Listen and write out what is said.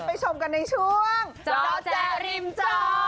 ไปชมกันในช่วงจ๊อจ๊ะริมจ้อ